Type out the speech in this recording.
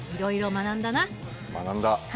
学んだ。